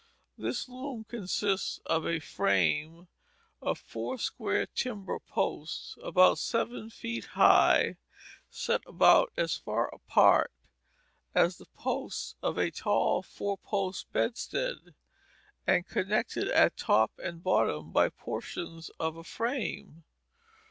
This loom consists of a frame of four square timber posts, about seven feet high, set about as far apart as the posts of a tall four post bedstead, and connected at top and bottom by portions of a frame.